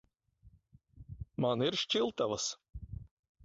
Man ir šķiltavas.